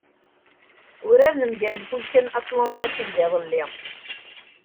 Uraren mgal Ifulka n Atlanta sendiḍelli.